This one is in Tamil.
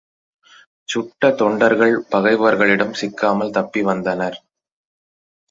சுட்ட தொண்டர்கள் பகைவர்களிடம் சிக்காமல் தப்பிவந்தனர்.